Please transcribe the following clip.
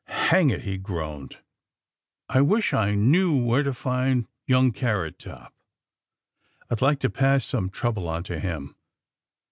*^Hang it!" he groaned. '^I wish I knew where to find young Carrot top. I^d like to pass some trouble on to him!